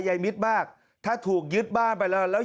ยายก่อนหรือไม่หรืออะไรครับครับครับ